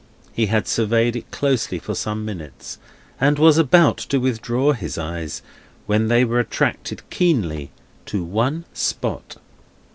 He had surveyed it closely for some minutes, and was about to withdraw his eyes, when they were attracted keenly to one spot.